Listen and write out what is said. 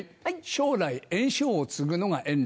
将来圓生を継ぐのが円楽。